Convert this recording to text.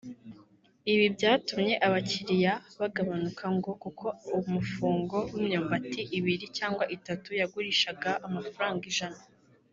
Ibi byatumye abakiriya bagabanuka ngo kuko umufungo w’imyumbati ibiri cyangwa itatu yagurishaga amafaranga ijana